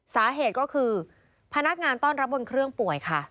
สาเหตุก็คือพนักงานต้อนรับบนเครื่องป่วยค่ะ